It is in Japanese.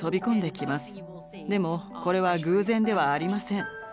でもこれは偶然ではありません。